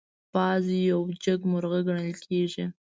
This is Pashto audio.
باز یو جګمرغه ګڼل کېږي